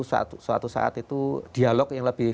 suatu saat itu dialog yang lebih